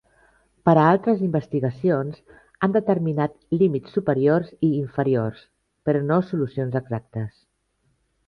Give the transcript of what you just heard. Per a altres investigacions han determinat límits superiors i inferiors, però no solucions exactes.